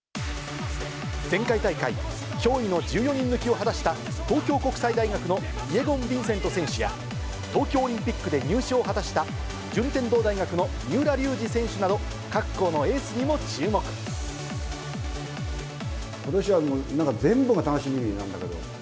前回大会、驚異の１４人抜きを果たした、東京国際大学のイェゴン・ヴィンセント選手や、東京オリンピックで入賞をした順天堂大学の三浦龍司選手など、ことしはなんかもう全部が楽しみなんだけど。